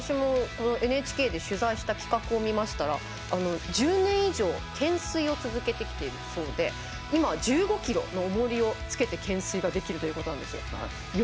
私もＮＨＫで取材した企画を見ましたら１０年以上懸垂を続けてきているそうで今、１５ｋｇの重りをつけて懸垂ができるということです。